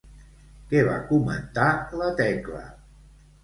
Què va comentar la Tecla?